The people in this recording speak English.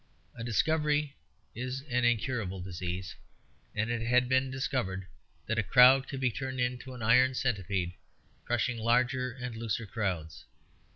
A discovery is an incurable disease; and it had been discovered that a crowd could be turned into an iron centipede, crushing larger and looser crowds.